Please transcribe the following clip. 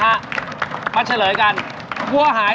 ไปฟังเฉลยกันครับ